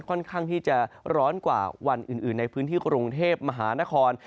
ค่อนข้างที่จะร้อนกว่าวันอื่นในพื้นที่กรุงเทพมหานคร